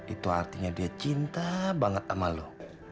itu artinya dia cinta banget ama lu